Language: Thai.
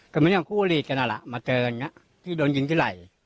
ก็มันยังคู่หลีกกันอะแหละมาเจออย่างนี้ที่โดนยิงที่ไหล่